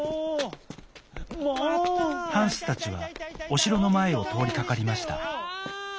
ハンスたちはおしろのまえをとおりかかりました。